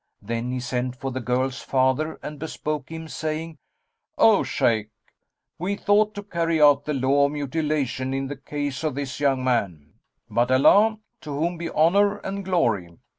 Then he sent for the girl's father and bespoke him, saying, "O Shaykh, we thought to carry out the law of mutilation in the case of this young man; but Allah (to whom be Honour and Glory!)